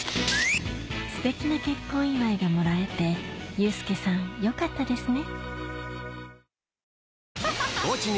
ステキな結婚祝いがもらえてユースケさんよかったですね